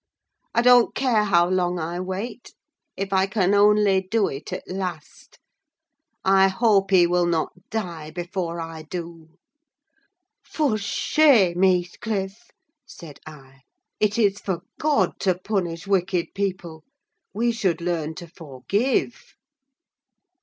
I don't care how long I wait, if I can only do it at last. I hope he will not die before I do!" "For shame, Heathcliff!" said I. "It is for God to punish wicked people; we should learn to forgive."